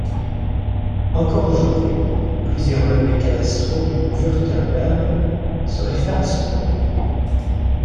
Encore aujourd’hui, plusieurs levés cadastraux du Wurtemberg se réfèrent à ce point.